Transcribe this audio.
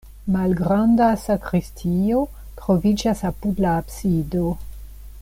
Malgranda sakristio troviĝas apud la absido.